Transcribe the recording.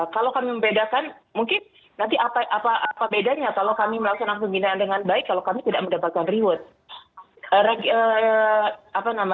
kalau kami membedakan mungkin nanti apa bedanya kalau kami melaksanakan pembinaan dengan baik kalau kami tidak mendapatkan reward